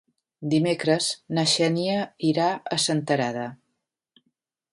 Dimecres na Xènia irà a Senterada.